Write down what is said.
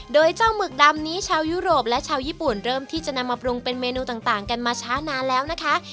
โดยเจ้าหมึกดำนี้ชาวยุโรปและชาวญี่ปุ่นเริ่มที่จะนำมาปรุงเป็นเมนูต่างกันมาช้านานแล้วนะคะ